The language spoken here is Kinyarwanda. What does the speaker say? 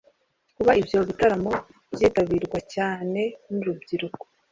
Kuba ibyo bitaramo byitabirwa cyane n’urubyiruko